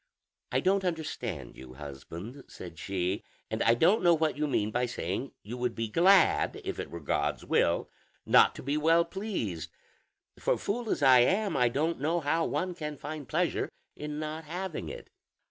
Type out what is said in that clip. "I don't understand you, husband," said she, "and I don't know what you mean by saying you would be glad, if it were God's will, not to be well pleased; for fool as I am, I don't know how one can find pleasure in not having it."